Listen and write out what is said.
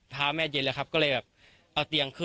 พาแม่เย็นเลยครับก็เลยก็เลยเอาเตียงขึ้น